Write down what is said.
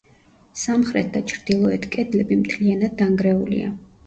სამხრეთ და ჩრდილოეთ კედლები მთლიანად დანგრეულია.